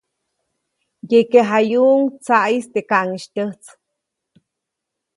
Yekeʼjayuʼuŋ tsaʼis teʼ kaʼŋis tyäjts.